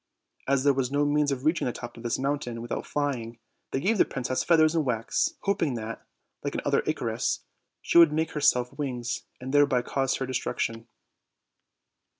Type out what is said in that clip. As there was no means of reaching the top of this mountain without flying, they gave the princess feathers and wax, hoping that, like another Icarus, she would make herself wings, and thereby cause her destruction.